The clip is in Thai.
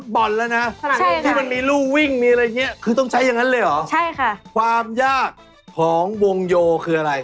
เบอร์หนึ่งเขาไม่ยากมาฉีกออกใช่